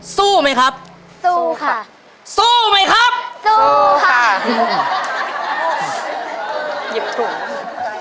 สู้ไหมครับสู้ค่ะสู้ไหมครับสู้ค่ะ